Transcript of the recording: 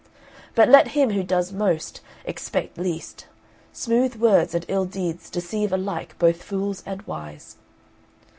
But let him who does most, expect least; smooth words and ill deeds deceive alike both fools and wise!"